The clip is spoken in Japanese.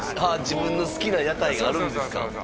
自分の好きな屋台があるんですか